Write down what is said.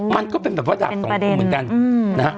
มันก็เป็นแบบว่าดาบสองคู่เหมือนกันนะฮะ